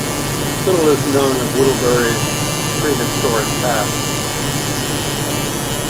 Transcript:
Little is known of Whittlebury's pre-historic past.